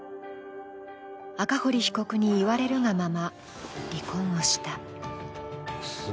赤堀被告に言われるがまま、離婚をした。